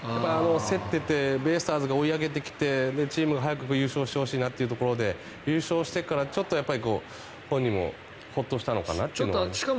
競っててベイスターズが追い上げてきてチームが早く優勝してほしいなというところで優勝してからちょっと本人もホッとしたのかなという。